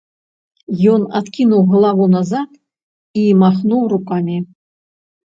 Ён адкінуў галаву назад і махнуў рукамі.